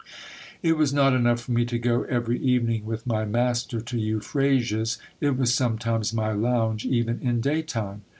It was not enough for me to go every evening with my master to Euphrasia's : it was sometimes my lounge even in day time.